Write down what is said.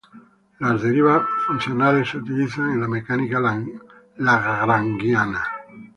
Las derivadas funcionales se utilizan en la mecánica lagrangiana.